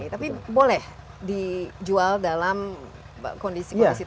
tapi boleh dijual dalam kondisi kondisi itu